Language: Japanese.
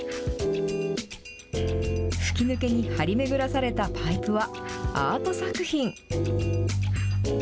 吹き抜けに張り巡らされたパイプはアート作品。